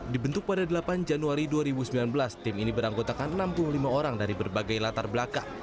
dibentuk pada delapan januari dua ribu sembilan belas tim ini beranggotakan enam puluh lima orang dari berbagai latar belakang